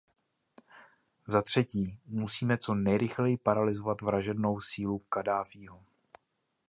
Zatřetí, musíme co nejrychleji paralyzovat vražednou sílu Kaddáfího.